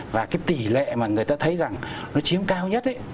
và cái tỷ lệ mà người ta thấy rằng nó chiếm cao nhất ấy